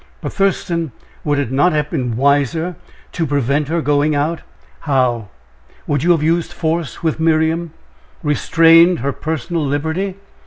But, Thurston, would it not have been wiser to prevent her going out?" "How? Would you have used force with Miriam restrained her personal liberty?"